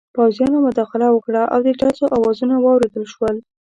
پوځیانو مداخله وکړه او د ډزو اوازونه واورېدل شول.